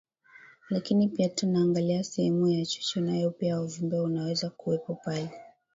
lakini pia tunaangalia sehemu ya chuchu nayo pia uvimbe unaweza kuwepo pale